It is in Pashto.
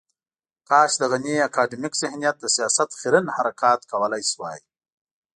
کاش د غني اکاډمیک ذهنیت د سياست خیرن حرکات کولای شوای.